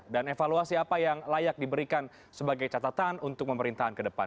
dan evaluasi apa yang layak diberikan sebagai catatan untuk pemerintahan ke depan